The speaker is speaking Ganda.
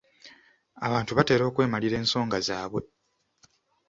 Abantu batera okwemalira ensonga zaabwe.